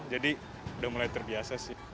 jadi udah mulai terbiasa sih